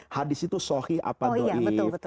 hadis itu sohih apadoif